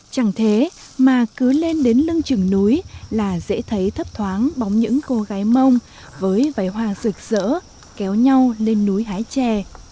chẳng thế mà cứ lên đến lưng trừng núi là dễ thấy thấp thoáng bóng những cô gái mông với vài hoa rực rỡ kéo nhau lên núi hái chè